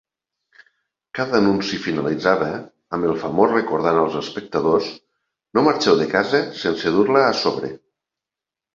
Cada anunci finalitzava amb el famós recordant als espectadors: "No marxeu de casa sense dur-la a sobre".